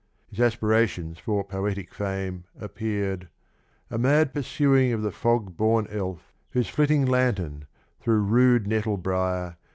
His aspirations for poetic fame appeared — A mad pursuing of the fog born elf, Whose flitting lantern, through rude nettle briar.